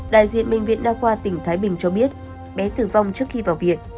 đại diện bệnh viện đa khoa tỉnh thái bình cho biết bé tử vong trước khi vào viện